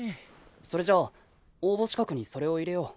それじゃ応募資格にそれを入れよう。